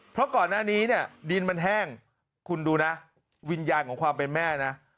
เพราะก่อนหน้านี้เนี่ยดินมันแห้งคุณดูนะวิญญาณของความเป็นแม่นะ